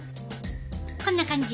こんな感じ。